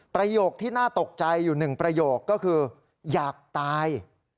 ประโยคที่น่าตกใจอยู่หนึ่งประโยคก็คืออยากตาย